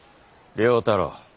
良太郎。